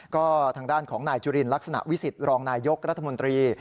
ก็ทางด้านของนายจุลินลักษณะวิสิตรองนายยกรัฐมนตรี